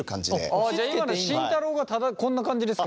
じゃあ今の慎太郎がこんな感じですか今？